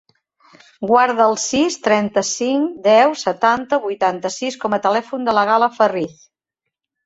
Guarda el sis, trenta-cinc, deu, setanta, vuitanta-sis com a telèfon de la Gal·la Ferriz.